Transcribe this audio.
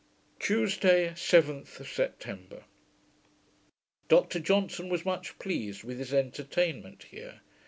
Tuesday, 7th September Dr Johnson was much pleased with his entertainment here.